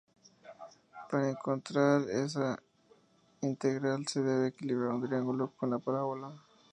Para encontrar esa integral, se debe equilibrar un triángulo con la parábola.